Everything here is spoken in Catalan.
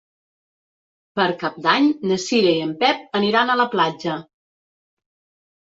Per Cap d'Any na Cira i en Pep aniran a la platja.